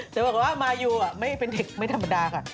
แต่บอกว่ามายูไม่เป็นเด็กไม่ธรรมดาค่ะ